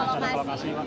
ada yang melokasi